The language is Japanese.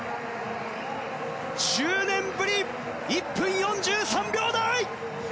１０年ぶり、１分４３秒台！